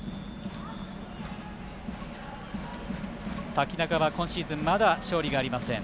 瀧中は今シーズンまだ勝利はありません。